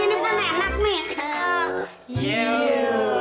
tak ada lagi bagaimana sayye